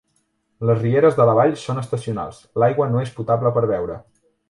Les rieres de la vall són estacionals, l'aigua no és potable per beure.